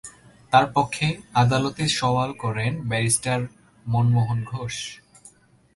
তার পক্ষে আদালতে সওয়াল করেন ব্যারিস্টার মনমোহন ঘোষ।